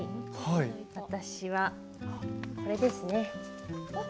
私はこれですね。